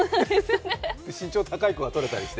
身長高い子が取れたりして。